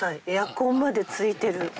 エアコンまでついてる。